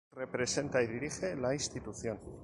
Representa y dirige la institución.